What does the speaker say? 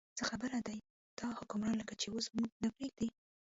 څه خیر دی، دا حکمران لکه چې اوس موږ نه پرېږدي.